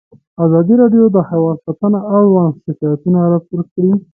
ازادي راډیو د حیوان ساتنه اړوند شکایتونه راپور کړي.